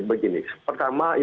atau bagaimana skenario selanjutnya